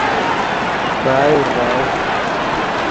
چائے اورڤاؤ